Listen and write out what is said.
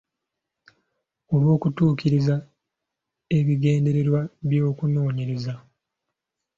Olw’okutuukiriza ebigendererwa by’okunoonyereza.